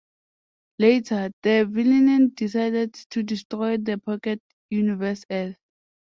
Later, the villain decided to destroy the pocket universe Earth.